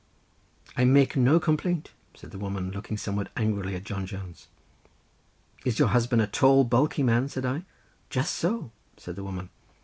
"I make no complaint," said the woman, looking somewhat angrily at John Jones. "Is your husband a tall bulky man?" said I. "Just so," said the woman.